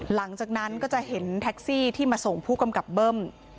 หลังจากนั้นก็จะเห็นแท็กซี่ที่มาส่งผู้กำกับเบิ้ม